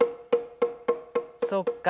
そっか。